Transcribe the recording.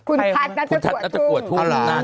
คนทัศน์หนักจากกัววตุ้ง